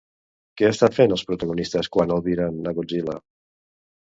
Què estan fent els protagonistes quan albiren a Godzilla?